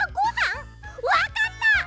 わかった！